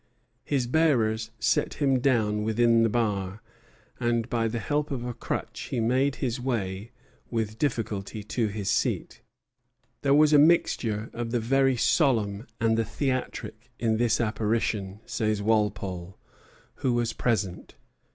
His bearers set him down within the bar, and by the help of a crutch he made his way with difficulty to his seat. "There was a mixture of the very solemn and the theatric in this apparition," says Walpole, who was present.